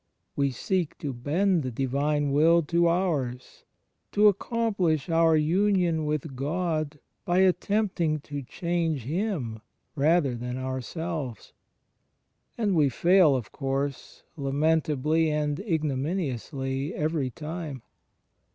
We seek to bend the Divine Will to ours, to accom plish oui union with God by attempting to change Him rather than ourselves. And we fail, of course, lamentably and ignominiously, every time.